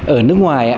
ở nước ngoài